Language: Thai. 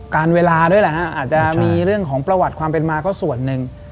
การเวลาด้วยแหละฮะอาจจะมีเรื่องของประวัติความเป็นมาก็ส่วนหนึ่ง